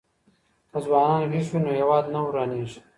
که ځوانان ويښ وي نو هېواد نه ورانېږي.